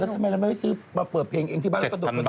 แล้วทำไมเราไม่ซื้อมาเปิดเพลงเองที่บ้านก็กระโดด